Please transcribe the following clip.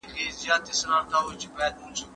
د دي مسئلې تفصيل چيرته دی؟